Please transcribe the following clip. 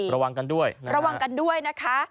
ระวังกันด้วยระวังกันด้วยนะคะ